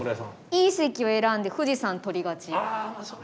「Ｅ席を選んで富士山撮りがち」。